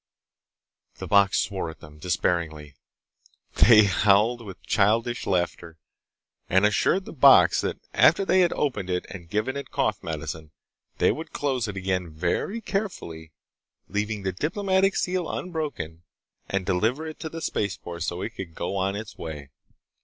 The box swore at them, despairingly. They howled with childish laughter, and assured the box that after they had opened it and given it cough medicine they would close it again very carefully—leaving the diplomatic seal unbroken—and deliver it to the spaceport so it could go on its way.